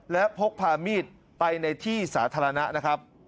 และพกพามีดไปในที่สาธารณะนะครับ